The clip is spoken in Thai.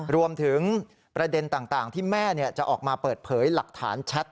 รวมถึงประเด็นต่างที่แม่จะออกมาเปิดเผยหลักฐานแชท